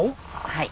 はい。